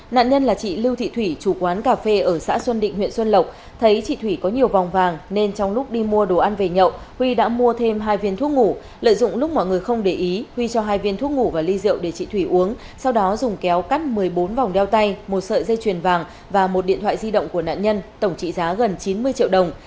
nạn nhân là chị lưu thị thủy chủ quán cà phê ở xã xuân định huyện xuân lộc thấy chị thủy có nhiều vòng vàng nên trong lúc đi mua đồ ăn về nhậu huy đã mua thêm hai viên thuốc ngủ lợi dụng lúc mọi người không để ý huy cho hai viên thuốc ngủ và ly rượu để chị thủy uống sau đó dùng kéo cắt một mươi bốn vòng đeo tay một sợi dây chuyền vàng và một điện thoại di động của nạn nhân tổng trị giá gần chín mươi triệu đồng